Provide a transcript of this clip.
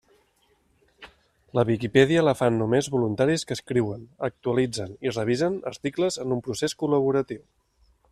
La Viquipèdia la fan només voluntaris que escriuen, actualitzen i revisen articles en un procés col·laboratiu.